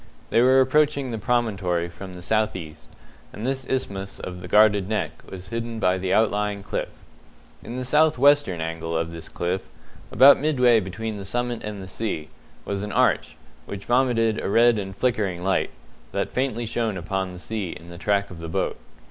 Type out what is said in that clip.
They were approaching the promontory from the south east, and this isthmus of the guarded Neck was hidden by the outlying cliff. In the south western angle of this cliff, about midway between the summit and the sea, was an arch, which vomited a red and flickering light, that faintly shone upon the sea in the track of the boat.